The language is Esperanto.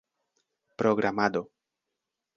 programado